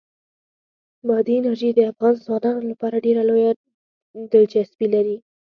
بادي انرژي د افغان ځوانانو لپاره ډېره لویه دلچسپي لري.